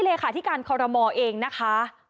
ทีนี้จากรายทื่อของคณะรัฐมนตรี